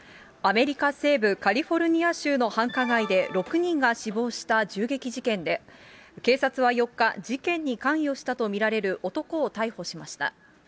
アメリカ西部カリフォルニア州の繁華街で６人が死亡した銃撃事件で、警察は４日、事件に関与したと見られる男を逮捕しました。